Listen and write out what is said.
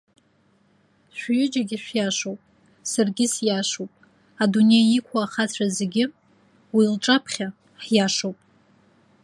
Шәҩыџьагьы шәиашоуп, саргьы сиашоуп, адунеи иқәу ахацәа зегьы уи лҿаԥхьа ҳиашоуп.